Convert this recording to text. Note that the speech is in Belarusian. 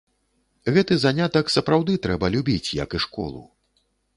Гэты занятак сапраўды трэба любіць, як і школу.